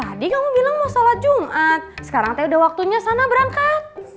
tadi kamu bilang mau sholat jumat sekarang teh udah waktunya sana berangkat